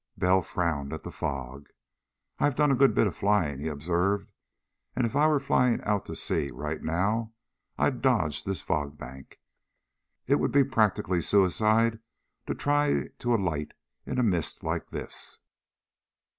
Bell frowned at the fog. "I've done a good bit of flying," he observed, "and if I were flying out at sea right now, I'd dodge this fog bank. It would be practically suicide to try to alight in a mist like this."